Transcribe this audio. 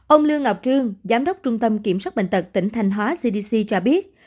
ông lương ngọc trương giám đốc trung tâm kiểm soát bệnh tật tỉnh thanh hóa cdc cho biết